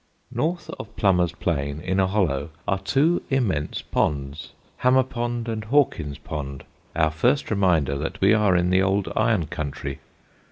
North of Plummer's Plain, in a hollow, are two immense ponds, Hammer Pond and Hawkin's Pond, our first reminder that we are in the old iron country.